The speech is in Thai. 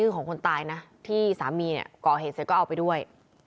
ของคนตายนะที่สามีเนี่ยก่อเหตุเสร็จก็เอาไปด้วย